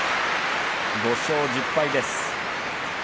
５勝１０敗です。